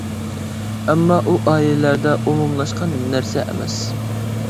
ئەمما ئۇ ئائىلىلەردە ئومۇملاشقان نەرسە ئەمەس.